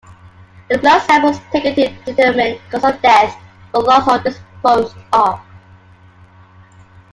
The blood samples taken to determine cause of death were lost or disposed of.